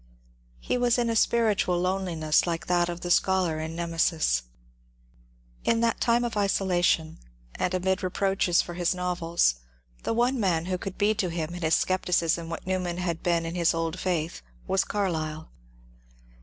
He was in a spiritual loneliness like that of the scholar in " Nemesis." In that time of isolation, and amid reproaches for his novels, the one man who could be to him in his scep ticism what Newman had been in his old faith was Carlyle.